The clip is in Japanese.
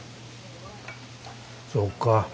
そうか。